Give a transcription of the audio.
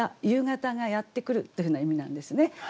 夕方がやって来るというふうな意味なんですね。